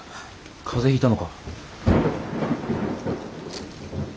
風邪ひいたのか。